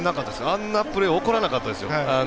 あんなプレー起こらなかったです。